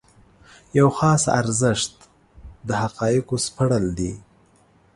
یو خاص ارزښت د حقایقو سپړل دي.